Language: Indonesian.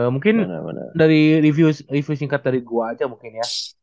mungkin dari review singkat dari gua aja mungkin ya